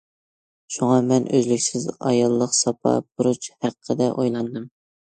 شۇڭا مەن ئۈزلۈكسىز ئاياللىق ساپا، بۇرچ ھەققىدە ئويلاندىم.